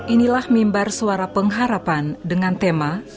inilah mimbar suara pengharapan dengan tema